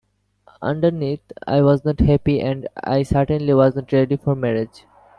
Underneath, I wasn't happy and I certainly wasn't ready for marriage.